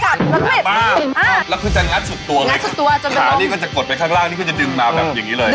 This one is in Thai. ตัวพลิกตัวกันมาอ้าแล้วคือจะงัดสุดตัวในข้างล่างก็จะดึงมาแบบอย่างงี้เลย